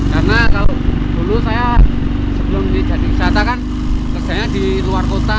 karena kalau dulu saya sebelum jadi wisata kan kerjanya di luar kota